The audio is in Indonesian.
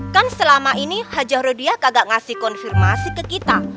kan selama ini hajah rudiah kagak ngasih konfirmasi ke kita